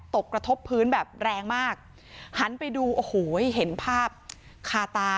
กระทบพื้นแบบแรงมากหันไปดูโอ้โหเห็นภาพคาตา